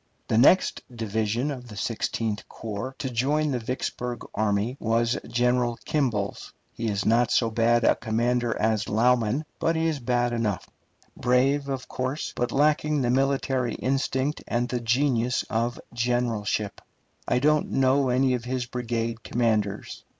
The next division of the Sixteenth Corps to join the Vicksburg army was General Kimball's. He is not so bad a commander as Lauman, but he is bad enough; brave, of course, but lacking the military instinct and the genius of generalship. I don't know any of his brigade commanders.